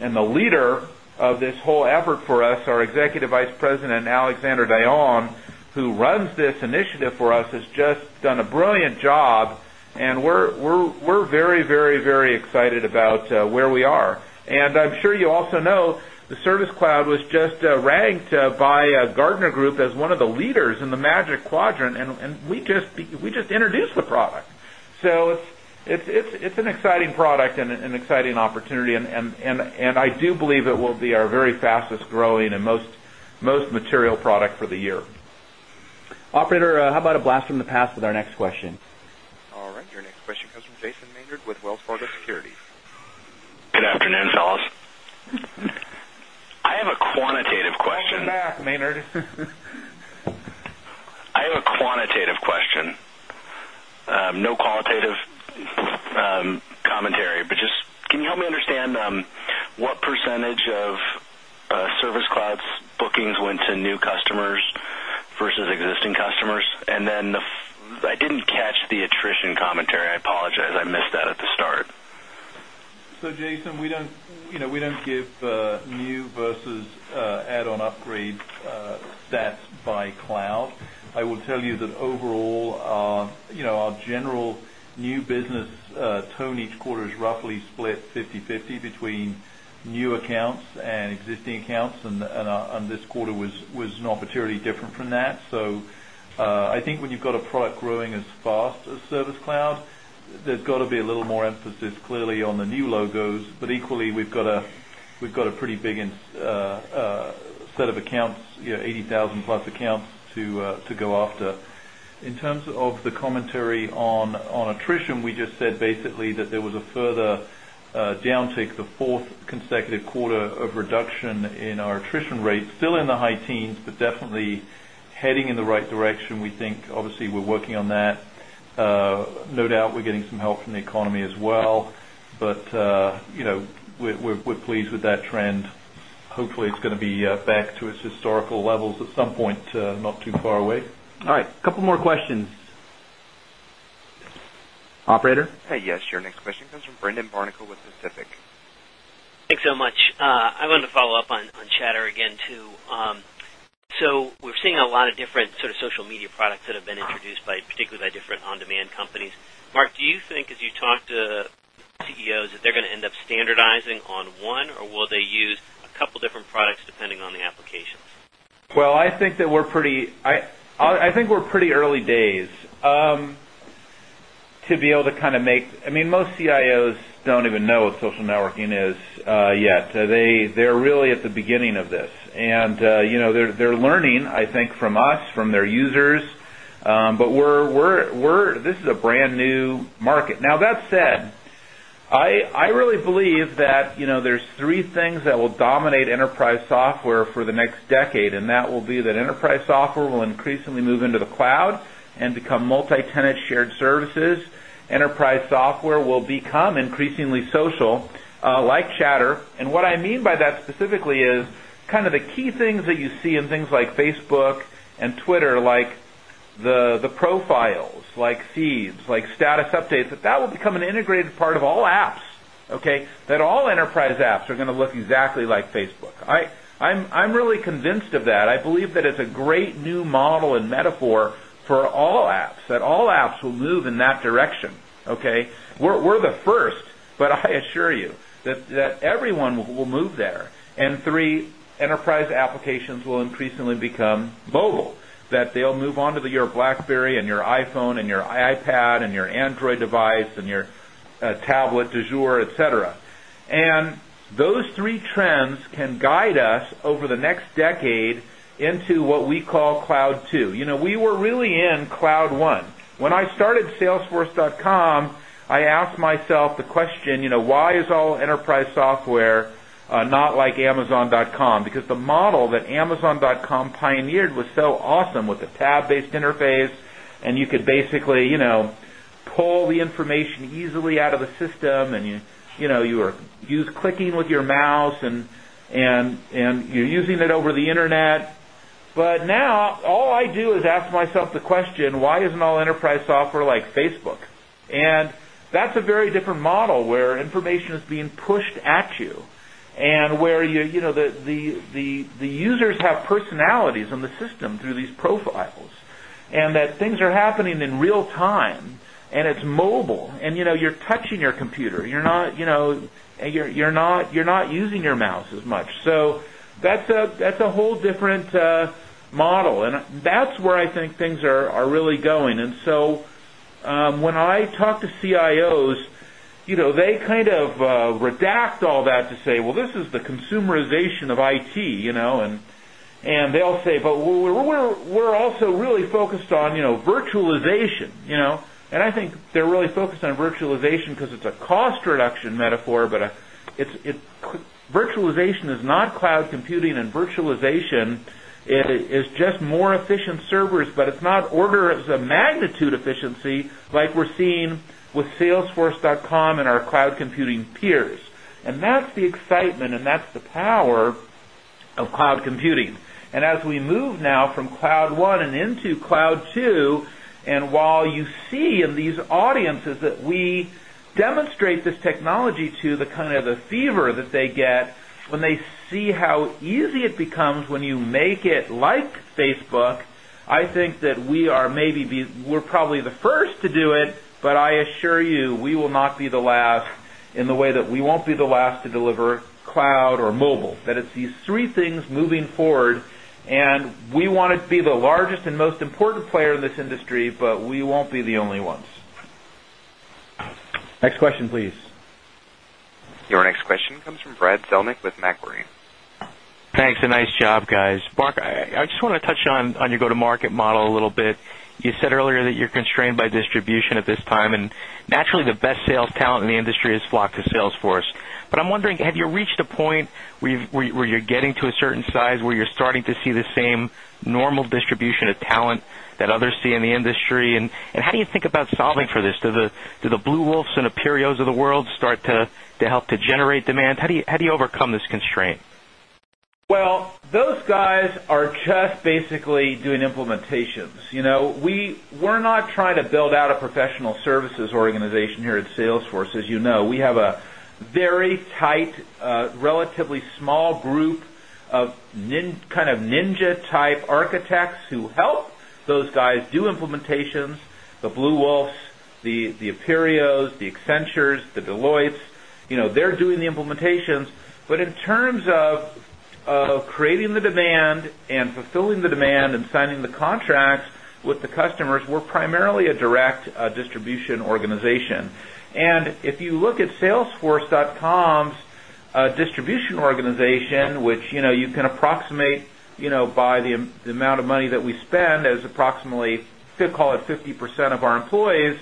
and the leader of this whole effort for us, our Executive Vice President, Alexander Dayon, who runs this initiative for us has just done a brilliant job and we're very, very, very excited about where we are. And I'm sure you also know the Service Cloud was just ranked by Gartner Group as one of the leaders in the Magic Quadrant and we just introduced the product. So it's an exciting product and an exciting opportunity And I do believe it will be our very fastest growing and most material product for the year. Question? Your next question comes from Jason Maynard with Wells Fargo Securities. I have a quantitative question. No qualitative commentary. But just can you help me understand what percentage of Service Cloud's bookings went to new customers versus existing existing customers? And then I didn't catch the attrition commentary. I apologize, I missed that at the start. So, Jason, we don't give new versus add on upgrades stats by cloud. I will tell you that overall our general new business tone each quarter is roughly split fifty-fifty between new this quarter was not materially different from that. So, I think when you've got a product growing as fast as Service Cloud, there's got to be a little more emphasis clearly on the new logos. But equally, we've got a pretty big set of accounts, 80,000 plus accounts to go after. In terms of the commentary on attrition, we just said basically that there was a further downtick the 4th consecutive quarter of reduction in our attrition rate still in the high teens but definitely heading in the right direction. We think obviously we're working on that. No doubt we're getting some help from the economy as well. But we're pleased with that trend. Hopefully it's going to be back to its historical levels at some point not too far away. Your next question comes from Brandon Barnacle with Pacific. Thanks so much. I wanted to follow-up on chatter again too. So we're seeing a lot of different sort of social media products that have been introduced by particularly by different on demand companies. Mark, do you think as you talk to CEOs that they're going to end up standardizing on 1 or will they use a couple of different products depending on the applications? Well, I think that we're pretty early days to be able to kind of make I mean most CIOs don't even know what social networking is yet. They're really at the beginning of this. And they're learning I think, from us, from their users. But we're this is a brand new market. Now that said, I really believe that there's 3 things that will dominate enterprise software for the next decade and that will be that enterprise software will increasingly move into the cloud and become multi tenant shared services. Enterprise software will become increasingly social like chatter. And what I mean by that specifically is kind of the key things that you see in things like Facebook and Twitter like the profiles, like feeds, like status updates, that will become an integrated part of all apps, okay, that all enterprise apps are going to look exactly like Facebook. I'm really convinced of that. I believe that it's a great new model and metaphor for all apps, that all apps will move in that direction, okay. We're the 1st, but I assure you that everyone will move there. And 3, enterprise applications will increasingly become mobile that they'll move on to your Blackberry and your iPhone and your iPad and your Android device and your tablet, du jour, etcetera. And those three trends can guide us over the next decade into what we call Cloud 2. We were really in Cloud 1. When I started salesforce.com, I asked myself the question, why is all enterprise software not like Amazon dotcom? Because the model that Amazon dotcom pioneered was so awesome with a tab based interface and you could basically pull the information easily out of the system and you are using clicking with your mouse and you're using it over the Internet. But now all I do is ask myself the question, why isn't all enterprise software like Facebook? And that's a very different model where information is being pushed at you and where the users have personalities on the system through these profiles and that things are happening in real time and it's mobile and you're touching your computer. You're not using your mouse as much. So that's a whole different model and that's where I think things are really going. And so when I talk to CIOs, they kind of redact all that to say, well, this is the consumerization of IT. And they'll say, but we're also really on virtualization. And I think they're really focused on virtualization because it's a cost reduction metaphor, but it's virtualization is not cloud computing and virtualization is just more efficient servers, but it's not order as a magnitude efficiency like we're seeing with salesforce.com and our cloud computing peers. And that's the excitement and that's the power of cloud computing. And as we move now from Cloud 1 and into Cloud 2 and while you see in these audiences that we demonstrate this technology to the kind of the fever that they get, when they see how easy it becomes when you make it like Facebook, I think that we are maybe we're probably the first to do it, but I assure you we will not be the last in the way that we won't be the last to deliver cloud or mobile. That it's these three things moving forward and we want to be the largest and most important player in this comes from Brad Zelnick with Macquarie. Thanks and nice job guys. Mark, I just want to touch on your go to market model a little bit. You said earlier that you're constrained by distribution at this time and naturally the best sales talent in the industry is flocked to sales force. But I'm wondering have you reached a point where you're getting to a certain size where you're starting to see the same normal distribution of talent that others see in the industry? And how do you think about solving for this? Do the Blue Wolfs and the Perios of the world start to help to generate demand? How do you overcome this constraint? Well, those guys are just basically doing implementation. We're not trying to build out a professional services organization here at Salesforce. As you know, we have a very tight, relatively small group of kind of ninja type architects who help those guys do implementations, the Blue Wolfs, the Aperios, the Accentures, the Deloitte, they're doing the implementations. But in terms of creating the demand and fulfilling the demand and signing the contracts with the customers, we're primarily a direct distribution organization. And if you look at salesforce.com's distribution organization, which you can approximate by the amount of money that we spend as approximately, call it 50% of our employees,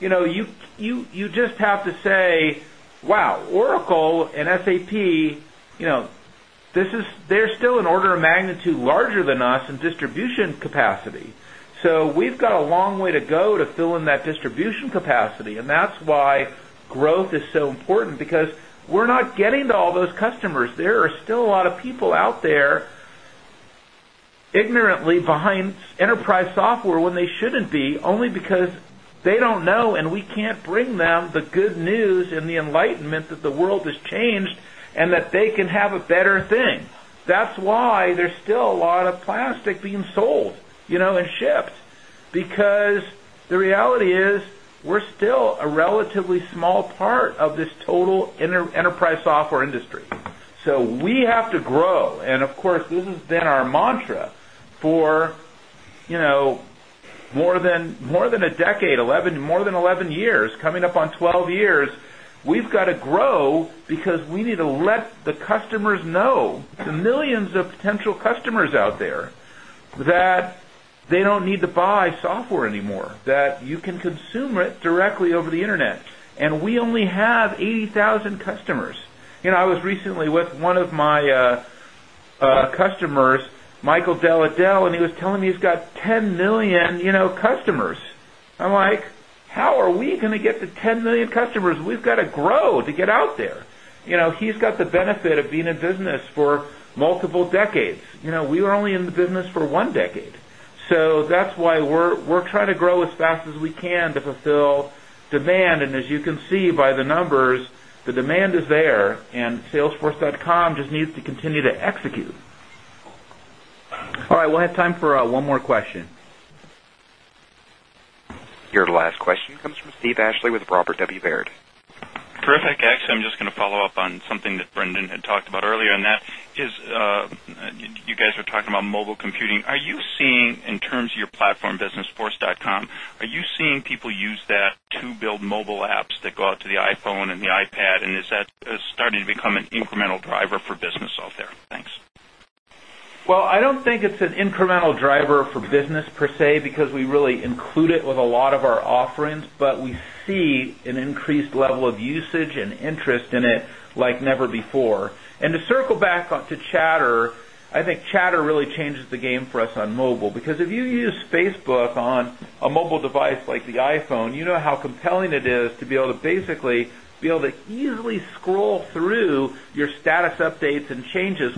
you just have to say, wow, Oracle and SAP, this is there's still an order of magnitude larger than us in distribution capacity. So, we've got a long way to go to fill in that distribution capacity and that's why growth is so important because we're not getting to all those customers. There are still a lot of people there ignorantly behind enterprise software when they shouldn't be only because they don't know and we can't bring them the good news and the enlightenment that the world has changed and that they can have a better thing. That's why there's still a lot of plastic being sold and shipped because the reality is we're still a relatively small part of this total enterprise software more than a decade, more than a decade, more than 11 years coming up on 12 years, we've got to grow because we need to let that you can consume it directly over the Internet. And we only have 80,000 customers. I was recently with one of my customers, Michael Delladell and he was telling me he's got 10,000,000 customers. I'm like, how are we going to get to 10,000,000 customers? We've got to grow to get out there. He's got the benefit of being in business for multiple decades. We were only in the business for 1 decade. So that's why we're trying to grow as fast as we can to fulfill demand. And as you can see by the numbers, the demand is there and salesforce.com just needs to continue to execute. All right. We'll have time for one more question. Your last question comes from Steve Ashley with Robert W. Baird. Terrific. Actually, I'm just going to follow-up on something that Brendan had talked about earlier and that is you guys were talking about mobile computing. Are you seeing in terms of your platform businessforcedot com, are you seeing people use that to build mobile apps that go out to the iPhone and the iPad? And is that starting to become an incremental driver for business out there? Thanks. Well, I don't think it's an incremental driver for business per se because we really include it with a lot of our offerings, but we see an increased level of usage and interest in it like never before. And to circle back to chatter, I think chatter really changes the game for us on mobile because if you use Facebook on a mobile device like the iPhone, you know how compelling it is to be able to basically be able to easily scroll through your status updates and changes.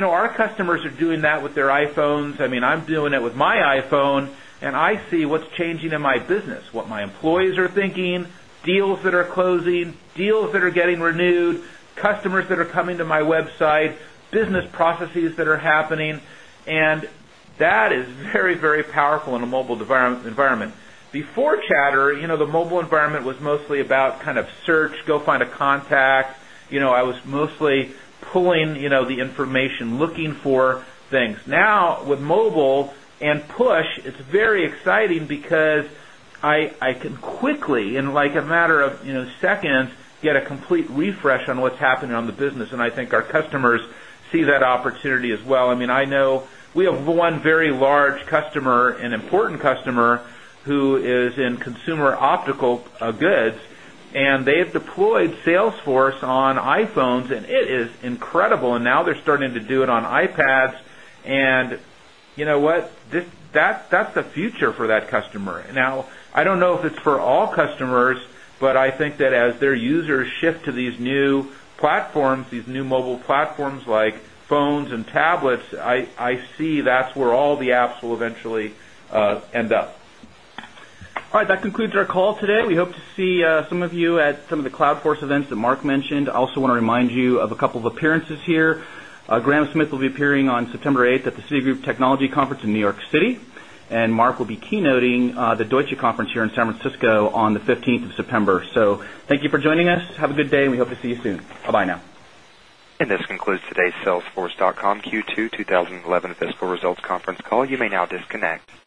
Well, our customers are doing that with their iPhones. I mean, I'm doing it with my iPhone and I see what's changing in my business, what my employees are thinking, deals that are closing, deals that are getting renewed, customers that are coming to my website, business processes that are happening and that is very, very environment. Before Chatter, the mobile environment was mostly about kind of search, go find a contact. I was mostly pulling the information, looking for things. Now with mobile and push, it's very exciting because I can quickly in like a matter of seconds get a complete refresh on what's happening on the business. And I think customers see that opportunity as well. I mean I know we have one very large customer, an important customer who is in consumer optical goods and they have deployed sales force on iPhones and it is incredible and now they're starting to do it on Ipads and you know what, that's the future for that customer. Now I don't know if it's for all customers, but I think that as their users shift to these new platforms, these new mobile platforms like phones and tablets, I see that's where all the apps will eventually end up. All right, that concludes our call today. We hope to see some of you at some of the Cloud Force events that Mark mentioned. I also want to remind you of a couple of appearances here. Graham Smith will be appearing on September 8th at the Citigroup Technology Conference in New York City and Mark will be keynoting the Deutsche Conference here in San Francisco on the 15th September. So thank you for joining us. Have a good day and we hope to see you soon. Bye bye now. And this concludes today's salesforcedot com Q2 2011 fiscal results conference call. You may now disconnect.